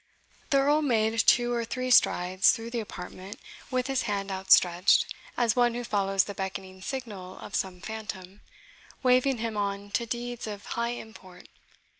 The Earl made two or three strides through the apartment, with his hand outstretched, as one who follows the beckoning signal of some phantom, waving him on to deeds of high import.